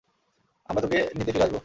আমরা তোকে নিতে ফিরে আসবো।